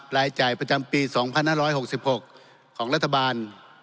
รายจ่ายประจำปีสองพันห้าร้อยหกสิบหกของรัฐบาล